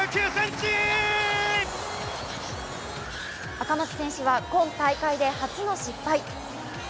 赤松選手は今大会で初の失敗。